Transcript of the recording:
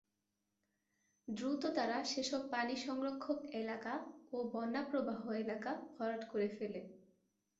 দ্রুত তারা সেসব পানি সংরক্ষক এলাকা ও বন্যাপ্রবাহ এলাকা ভরাট করে ফেলে।